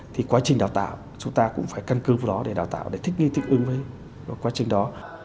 thì quá trình đào tạo chúng ta cũng phải căn cứ vào đó để đào tạo để thích nghi thích ứng với quá trình đó